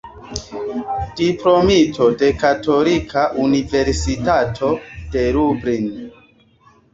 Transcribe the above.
Diplomito de Katolika Universitato de Lublin.